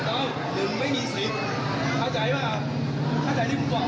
ก็คือเราเอาหลักการมาวัดดูกัน